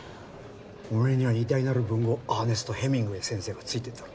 お前には偉大なる文豪アーネスト・ヘミングウェイ先生がついてるだろ？